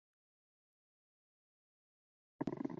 结果引发不少玩家批评。